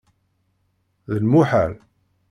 D lmuḥal!